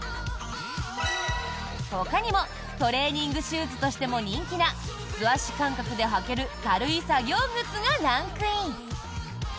ほかにもトレーニングシューズとしても人気な素足感覚で履ける軽い作業靴がランクイン！